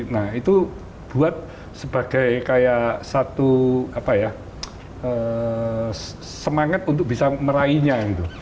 nah itu buat sebagai kayak satu semangat untuk bisa meraihnya gitu